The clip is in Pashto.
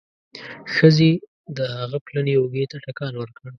ښځې د هغه پلنې اوږې ته ټکان ورکړ.